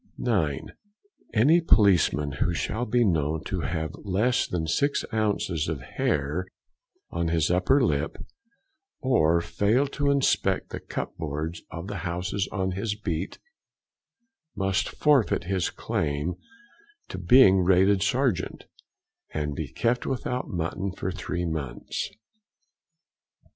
9. Any Policeman who shall be known to have less than six ounces of hair on his upper lip, or fail to inspect the cupboards of the houses on his beat, must forfeit his claim to being rated sergeant, and be kept without mutton for three months.